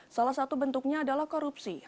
salah satu bentuknya adalah korupsi